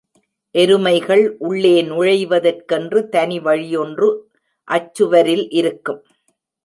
எருமைகள் உள்ளே நுழைவதற்கென்று தனி வழியொன்று அச்சுவரில் இருக்கும்.